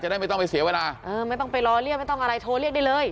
ได้ไม่ต้องไปเสียเวลาเออไม่ต้องไปรอเรียกไม่ต้องอะไรโทรเรียกได้เลย